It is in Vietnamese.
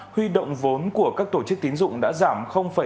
huy động vốn của các tổ chức tín dụng đã giảm bảy mươi sáu so với cuối năm ngoái